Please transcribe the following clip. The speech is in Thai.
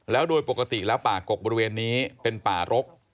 แล้วโดยปกติแล้วป่ากกบริเวณนี้เป็นป่ารก